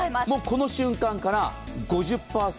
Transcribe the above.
この瞬間から５０％